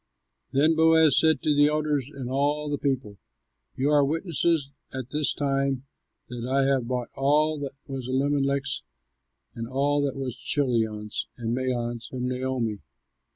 Then Boaz said to the elders and to all the people, "You are witnesses at this time that I have bought all that was Elimelech's and all that was Chilion's and Mahlon's from Naomi.